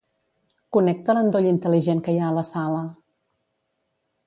Connecta l'endoll intel·ligent que hi ha a la sala.